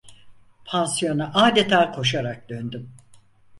Pansiyona adeta koşarak döndüm.